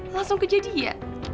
langsung ke jadi ya